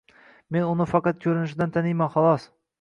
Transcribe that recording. Meni uni faqat ko'rinishidan taniyman, xolos.